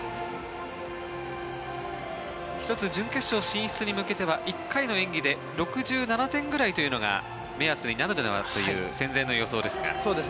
１つ準決勝進出に向けては１回の演技で６７点ぐらいというのが目安になるのではという戦前の予想ですが。